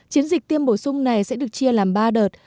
chiến dịch tiêm bổ sung này sẽ được chia làm ba đợt